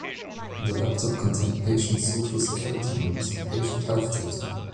The laptop contained patient Social Security numbers and patient health data.